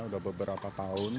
sudah beberapa tahun